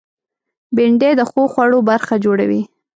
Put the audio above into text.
بېنډۍ د ښو خوړو برخه جوړوي